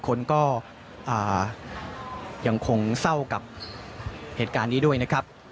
คุณผู้ชมใจสำหรับแบบนี้นะครับ